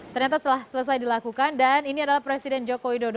ternyata telah selesai dilakukan dan ini adalah presiden joko widodo